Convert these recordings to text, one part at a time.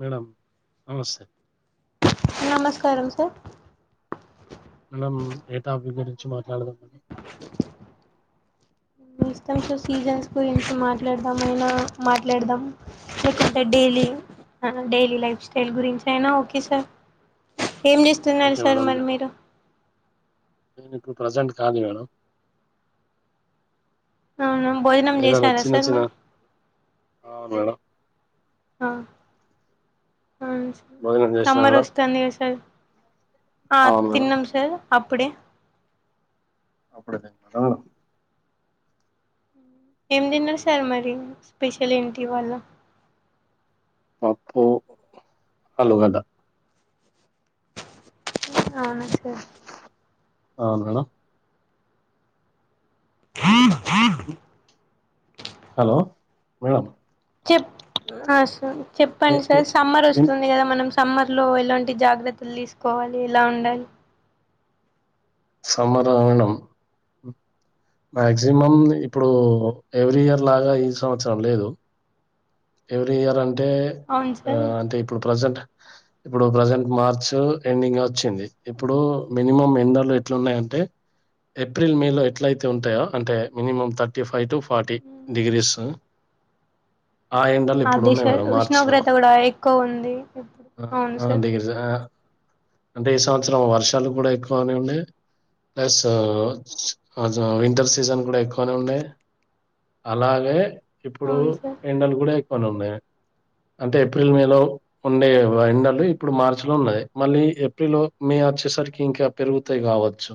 Madam నమస్తే నమస్కారం sir మనం ఏ టాపిక్ గురించి మాట్లాడదాం ఇష్టం సో సీరియల్స్ గురించి మాట్లాడదామ అయినా మాట్లాడదాం లేకంటే డైలీ డైలీ లైఫ్ స్టల్ గురించి అయినా ఓకే సార్ ఏం చేస్తున్నారు ఓకే సార్ మేడం మరి మీరు నేను ఇప్పుడు ప్రెసెంట్ కాదు మేడం అవున భోజనం చేసారా సార్ మరి ఆ మేడం ఆ ఆ భోజనం చేసిన సమ్మర్ మేడం వస్తుంది కద సార్ ఆ అవును మేడం తిన్నాం సార్ అప్పుడే [unintelligible] ఆ ఏం తిన్నారు సార్ మరి స్పెషల్ ఏంటి ఇవాళ్ళ పప్పు ఆలుగడ్డ అవునా సార్ అవును మేడం [unintelligible] హలో మేడం చెప్ ఆ సార్ చెప్పండి సార్ సమ్మర్ వస్తుంది కద మనం సమ్మర్ లో ఎలాంటి జాగ్రత్తలు తీసుకోవాలి ఎలా ఉండాలి సమ్మరా మేడం మాక్సిమం ఇప్పుడు ఎవ్రీ ఇయర్ లాగా ఈ సంవత్సరం లేదు ఎవ్రీ ఇయర్ అంటే అవును ఆ సార్ అంటే ఇప్పుడు ప్రజెంట్ ఇప్పుడు ప్రజెంట్ మార్చ్ ఎండింగ్ వచ్చింది ఇప్పుడు మినిమం ఎండలు ఎట్లున్నాయంటే ఏప్రిల్ మే లో ఎట్ల అయితే ఉంటాయో అంటే minimum thirty five to forty degrees ఆ ఎండలు అదే ఇప్పుడున్నాయి సార్ మేడం మార్చ్‌లో. ఉష్ణోగ్రత కూడా ఎక్కువ ఉంది ఇప్పుడు ఆ! అవును ఆ! సార్ డిగ్రీస్ ఆ! అంటే ఈ సంవత్సరం వర్షాలు కూడా ఎక్కువనే ఉన్నాయి ప్లస్ వింటర్ సీజన్ కూడా ఎక్కువనే ఉన్నాయి అలాగే ఇప్పుడు అవును సార్ ఎప్పుడే ఎక్కువాన్ వున్నయే అంటే ఏప్రిల్ మే లో ఉండే ఎండలు ఇప్పుడు మార్చి లో ఉన్నాయ్ మళ్ళీ ఏప్రిల్ మే వచ్చేరికి ఇంకా పెరుగుతాయి కావచ్చు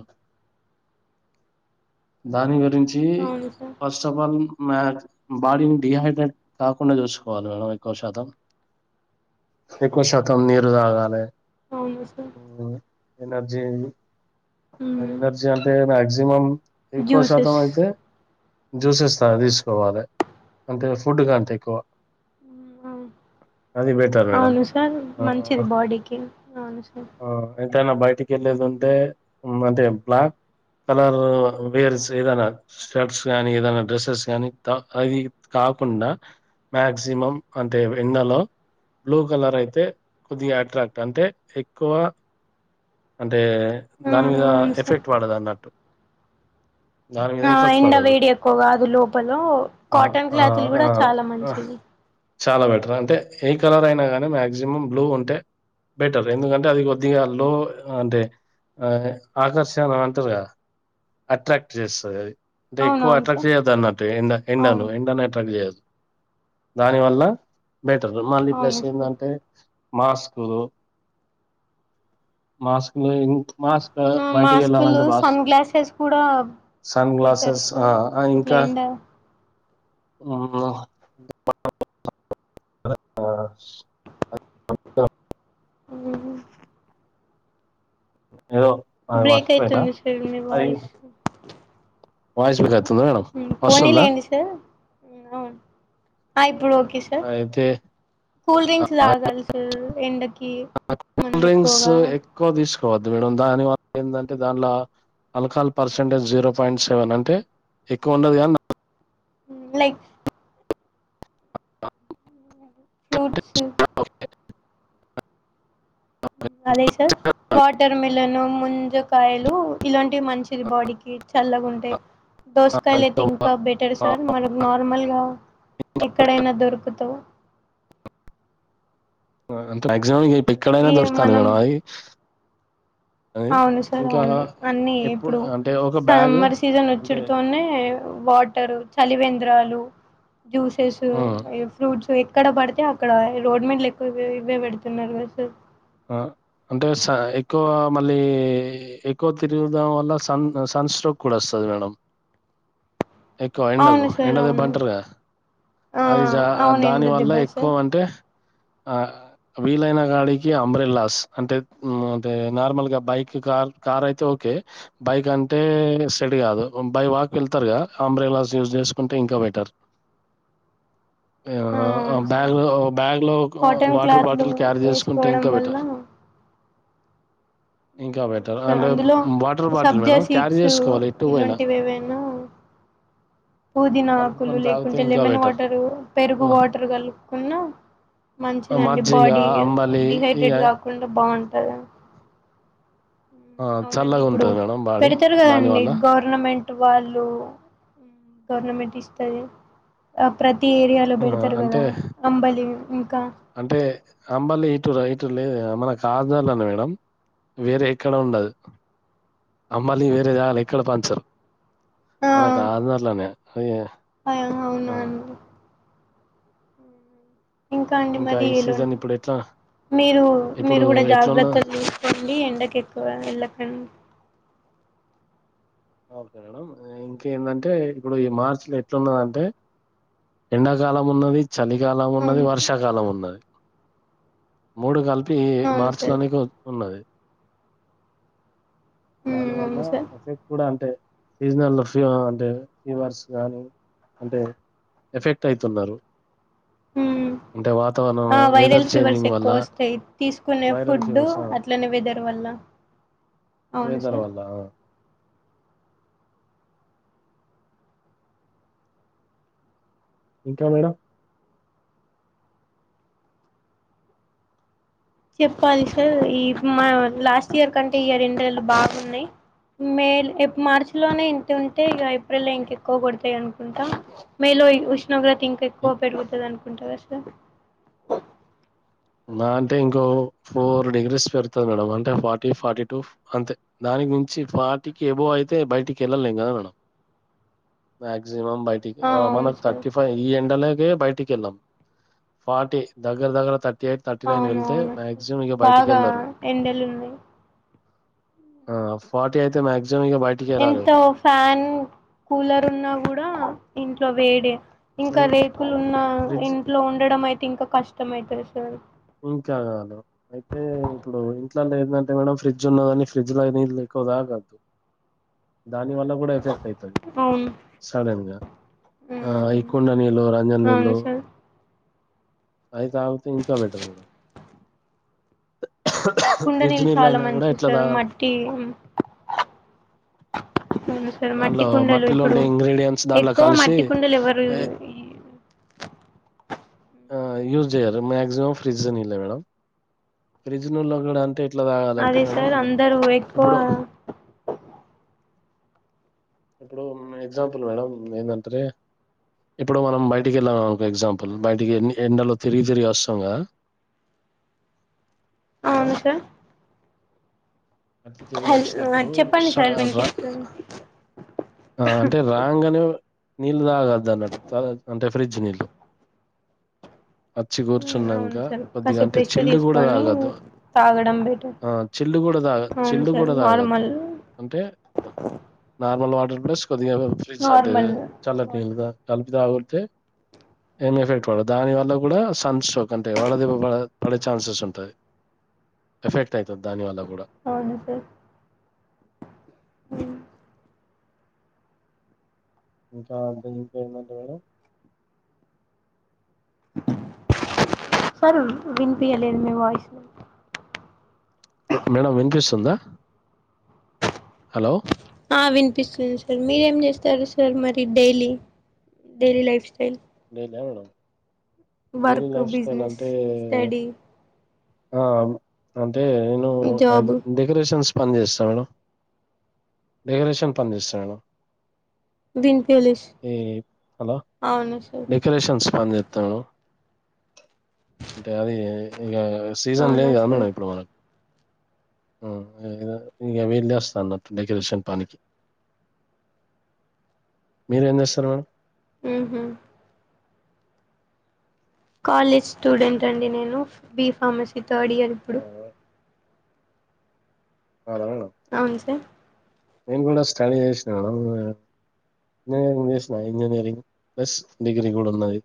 దా గుంచి అవును సార్ ఫస్ట్ ఆఫ్ ఆల్ మీకు బాడిని డిహైడ్రేట్ కాకుండా చూసుకోవాలి మేడం ఎక్కువ శాతం ఎక్కువ శాతం నీరు తాగాలి అవును సార్ ఎనర్జీ ఎనర్జీ అంటే మాక్సిమం మాక్సిమం ఎక్కువ శాతం జ్యూసెస్ అయితే జూసెస్ ఆ తీసుకోవాలి అంటే ఫుడ్ కంటే ఎక్కువ అది బెటర్ మేడం అవును సార్ ఆ మంచిది బాడీకి అవును సార్ ఆ ఎంతైనా బయటికి వెళ్ళేది ఉంటే అంటే బ్లాక్ కలర్ వేర్ ఏదైనా షర్ట్స్ కానీ ఏదన్న డ్రెస్సెస్ గానీ అది కాకు కాకుండా మాక్సిమం అంటే ఎండలో బ్లూ కలర్ అయితే కొద్దిగా అట్రాక్ట్ అంటే ఎక్కువ అంటే ఆ, దాని మీద అవును సార్ ఎఫెక్ట్ పడదు అన్నట్టు దాని మీద ఆ ఎఫెక్ట్ ఎండ పడదు వేడి ఎక్కవగా అది లోపలో ఆ కాటన్ ఆ క్లాత్ ఆ కూడా చాలా ఆ మంచిది చాలా బెటర్ అంటే ఏ కలర్ అయినా గాని మాక్సిమం బ్లూ ఉంటే బెటర్ ఎందుకంటే అది కొద్దిగా లో అంటే ఆకర్షణ అంటార్ కదా అట్రాక్ట్ చేస్తది అది అంటే ఎక్కువ అవునవును అట్రాక్ట్ సార్ చేయ్యద్దు అన్నట్టు ఎండ ఎండను అవును ఎండన్ లేదు దాని వల్ల బెటర్ మళ్ళీ ప్లస్ అవును సార్ ఎందంటే మాస్కులు మాస్కు మాస్కులు సన్ గ్లాసెస్ కూడా సన్ పెట్టారు గ్లాసెస్ ఆ సార్ ఇట్లా ఇంకా ఎండ ఆ ఆ అ హ్మ్ హు ఏదో అది బ్రేక్ మర్చిపోయినా అయితుంది సార్ మీ వాయిస్ వయిస్ వికాదు పోనీ లేండి సార్ ఆ ఇప్పుడు ఓకే సార్ అయితే కూల్ డ్రింక్స్ తాగాలి సార్ ఎండ కూల్ డ్రింక్స్ ఎక్కువ తీసు [unintelligible] మేడం దానివల్ల ఏంటంటే దానిలో alcohol percentage zero point seven అంటే ఎక్కువ ఉన్నది కానీ లైక్ ఫ్రూట్స్ అదే సార్ వాటర్ మిలన్ ముంజకాయలు ఇలాంటివి మంచిది బాడీకి చల్లగుంటయి దోసకాయలు అయితే ఇంకా బెటర్ ఆ, సార్ మన న నార్మల్గా ఎక్కడైనా దొరుకు కొతగా ఆ గంత రాయ్ జోయ్ రేప్ ఎక్కడైనా దొరుకుతండ్రు మనం గద ఆడ ఆగి అవును సార్ అవును, అన్ని ఎప్పుడు ఇప్పుడు అంటే ఒక బ్యాగ్ సమ్మర్ సీజన్ అంటే ఒచ్చుడుతోనే వాటరు, చలివేంద్రాలు. జ్యూసెస్, ఇగ ఫ్రూట్స్ వెట్ ఎక్కడ పడితే అక్కడ ఇ రోడ్ మీల్ల ఎక్కువ ఇవే వెడుతున్నరు గద సార్. అ అంటే స ఎక్కువ మళ్ళీ ఎక్కువ తిరుగుదం వల్ల సన్ సన్ స్ట్రోక్ కూడా ఒస్తది మేడం. ఎక్కువ ఎండకు అవును సార్ ఎండదెబ్బ అవును అంటర్ గద ఆ అది జ అ అవును ఎండ దానివల్ల దెబ్బలు ఎక్కువ సార్ అంటె ఆ వీలైన గాడి కి అంబ్రెలాస్ అంటే ఊ అంటే నార్మల్ గా బైక్ కాల్ కార్ అయితే ఓకే బైక్ అంటే సెడు గాదు బై వాక్ వెళ్తరు గద అంబ్రెలాస్ యూస్ జేసుకుంటే ఇంకా బెటర్. ఏమో ఆ అవును సార్ బ్యాగ్ లో ఓ బ్యాగ్ లో ఒక వాటర్ బాటిల్ క్యారీ జేస్ కోవడం వల్లా ఉమ్ ఇంకా అవును బెటర్. సర్ అండ్ అందులో వాటర్ బాటిల్ సబ్జా మేడం క్యారీ సీడ్స్ చేసుకోవాలి ఎటు పోయినా. ఇలోంటివేవైనా పుదీనాకులు కలుపుకొని తాగితే లేకుంటే ఇంకా లెమన్ బెటర్ వాటర్ పెరుగు వాటర్ కలుపుకున్నా మంచిదండి మజ్జిగ బాడీ ఇగ అంబలి ఇ డిహైడ్రేట్ ఆ గాకుండా బ బావుంటద అవునండి చల్లగా ఇప్పుడు ఉంటది మేడం బాడీ పెడతరు దాని కదండి వల్ల గవర్నమెం ట్ వాళ్ళు గవర్నమెంట్ ఇస్తది ఆ ప్ర తి ఏరియాలో ఆ బెడతరు అంటే గదా అంబలి ఇంకా అంటే అంబలి ఇటు ఇటు లేదు గదా మనకా జోన్లనే మేడం వేరే ఎక్కడ ఉండదు అం మళ్ళీ వేరే జాగలా ఎక్కడ పంచరు మన కాదార్ లనే అయ్యో అయ్యో అవునా అండి ఇంకా అండి మరి ఈ ఏలో సీజన్ ఇప్పుడు ఎట్లా మీరు ఇప్పుడు మీరు గూడా ఎట్లున్న జాగ్రత్తలు దీసుకోండి, ఎండకు ఎక్కువ ఎళ్ళకం ఓకే మేడం! ఆ ఇంకేందంటే చలికాలం ఉన్నది అవును సార్ వర్షాకాలం ఉన్నది. మూడు గల్ పి అవును మార్చ లో సార్ నీకు ఓప్పుకున్నది ఉమ్ దానివల్ల అవును సార్ ఎఫెక్ట్ అంటే సీజనల్ ఫీ అంటే ఫీవర్స్ గానీ అంటే ఎఫెక్ట్ అయితున్నరు ఉమ్ వెదర్ వైరల్ ఫీవర్స్ చేంజింగ్ వల్ల ఎక్కువ వస్తాయి తీసుకునే వైరల్ ఫుడ్ ఫీవర్స్ అట్లనే వెదర్ వల్ల అవును వెదర్ సార్ వల్ల ఇంకా మేడం చెప్పాలి సార్ ఈ మా లాస్ట్ ఇయర్ కంటే ఇయర్ ఎండలు బాగున్నాయి మే మార్చి లోనే ఇంత ఉంటే ఇక ఏప్రిల్ ఇంకా ఎక్కువ కొడతాయి అనుకుంటాం మేలో ఉష్ణోగ్రత ఇంకా ఎక్కువ పెరుగుతుంది అనుకుంటారు నా అంటే ఇంకో ఫోర్ డిగ్రీస్ పెరుగుతుంది మేడం అంటే ఫార్టీ ఫార్టీ టూ అంతే దానికి నుంచి ఫార్టీకి అబోవ్ అయితే బయటికి వెళ్ళిలేం కదా మేడం మాక్సి మం మాక్సి మం బయటికి ఆ అవును సార్ థర్టీ ఫైవ్ ఈ ఎండలే బయటికి వెల్లం ఫార్టీ దగ్గర దగ్గర థర్టీ ఎయిట్ థర్టీ నైన్ అవును వెళ్తే అవును మాక్సిమం ఇక బయటికి బాగా వెళ్ళరు ఎండలు ఉన్నాయి ఆ ఫార్టీ అయితే మ్యాక్స్ ఎంత ఫ్యాన్ కూలర్ ఉన్నా కూడా ఇంట్లో వేడి ఇంకా అయి రేకులు ఉన్న ఫ్రిడ్జ్ ఇంట్లో ఉండడం అయితే ఇంకా కష్టం అయితది సార్ ఇంకా అయితే ఇప్పుడు ఇంట్లలో ఏంటంటే మేడం ఫ్రిడ్జ్ ఉన్నదని ఫ్రిడ్జ్ లో నీ ఎక్కువ తాగద్దు దానివల్ల కూడా ఎఫెక్ట్ అయితది అవును సడెన్గా ఆ ఇ కుండ నీళ్ళు రంజ అవును నీళ్ళు సార్ అయితాగుతే ఇంకా బెటర్ మేడం కుండ ఫ్రిడ్జ్ నీళ్ళు చాలా నీళ్ళయినా కూడా మంచి ఎట్లా సారు తాగాలి మట్టి అవును సార్ మట్టి దానిలో కుండలు మట్టిలో ఇప్పుడు ఉండే ఇంగ్రీడియంట్స్ దాంట్లో ఎక్కువ కలిసి మట్టి కుండలు ఎవరు ఎ ఆ యూజ్ చేయారు మాక్సిమం ఫ్రిడ్జ్ నీళ్ళే మేడం ఫ్రిడ్జ్ నీళ్లుకూడా అంటే ఎట్లా తాగాలంటే అదే మేడం సార్ అందరు ఎక్కువ ఇప్పుడు ఇప్పుడు ఎగ్జాంపుల్ మేడం ఏంటంటే ఇప్పుడు మనం బయటికి వెళ్ళామనుకో ఎగ్జాంపుల్ బయటికి ఎ ఎండలో తిరిగి తిరిగి వస్తాం కదా హలో! అవును సార్ అట్లా తిరిగి హల్ వచ్చినప్పుడు చెప్పండి సార్ వినిపిస్తుంది ఆ అంటే రాంగ్ అనే నీళ్ళు తాగదు అది అన్నట్టు తాగదు అంటే ఫ్రిడ్జ్ నీళ్ళు అచ్చి కూర్చున్నాక అవును సార్ కొద్దిగా కాసేపు అంటే రెస్ట్ చిల్లు కూడా తీసుకొని తాగద్దు తాగడం బెటర్ ఆ చిల్లు కూడా తాగ అవును చిల్లు సార్ కూడా తాగద్దు నార్మల్ అంటే నార్మల్ వాటర్ ప్లస్ కొద్దిగా ఫ్రిడ్జ్ అంటే నార్మల్ చల్లటి వాట్ నీళ్ళు [unintelligible] తాగుతే ఏం ఎఫెక్ట్ పడదు దాని వల్ల కూడా సన్ స్ట్రోక్ అంటేవడ దెబ్బ పడే పడే ఛాన్సెస్ ఉంటాయి ఎఫెక్ట్ అయితది దాని వల్ల అవును సార్ హహ్ ఇంకా ఇంక ఏం పేమెంట్ మేడం సరూ వినిపీయలేదు మీ వాయిస్ మేడం వినిపిస్తుందా హలో ఆ వినిపిస్తుంది సార్ మీరేం చేస్తారు సార్ మరి డైలీ డైలీ లైఫ్ స్టల్ ఎల్ను వర్క్ బిజినెస్ స్టడీ ఆ అంత అంటే నేను జాబ్ మాక్సిమం డెకరేషన్స్ పనిచేస్తా మేడం డెకరేషన్ పనిచేస్తా మేడం బిన్పిలిష్ ఈ హలో అవును సార్ డెకరేషన్స్ పని చెస్తాను అంటే అది ఇక సీజన్ లేదు అవునా కాద సార్ మేడం ఇప్పుడు మనకు ఇగ వీళేస్తా అన్నట్టు డెకరేషన్ పనికి మీరేం చేస్తారు మేడమ్ ఊహు కాలేజ్ స్టూడెంట్ అండి నేను బి ఫార్మసీ థర్డ్ ఇయర్ ఆ, ఇప్పుడు అవునా మేడం అవున్ సార్ నేను కూడా స్టడీ చేసినా ఇంజనీరింగ్ చేసినా ఇంజనీరింగ్ ప్లస్ డిగ్రీ గుడా ఉన్నది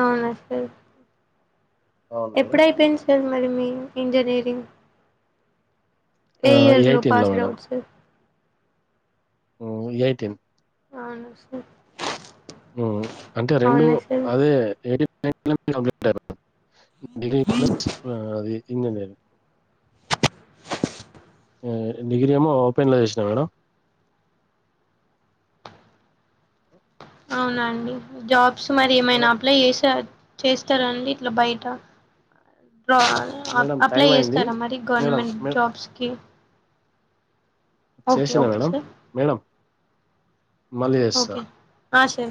అవునస్తే అవును మేడం ఎప్పుడయిపోయింది సార్ మరి మీ ఇంజీనీరింగ్ ఏ ఇయర్ లో పాస్డ్ఔట్ సార్ ఊ యైటీన్ అవును సార్ ఉ అంటే రెండు అవునా సార్ అదే ఏ డి [unintelligible] డి ప్లస్ అది ఇంజనీర్ హ డిగ్రీ ఏమో ఓపెన్లో చేసినా మేడం అవునండి జాబ్ మరి ఏమైనా మేడం, అప్లై చేస మేడం, చే ఇస్తారండి ఇట్లా బయట మేడం [unintelligible] అప్లై టైమ్ అయింది. చేస్తారా మరి మేడం, గవర్నమెంట్ మే జాబ్స్ కి చేసినా మేడం సార్ మేడం మల్లి జెస్తా ఆశయ